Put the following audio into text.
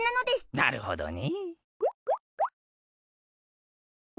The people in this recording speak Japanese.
なるほどね。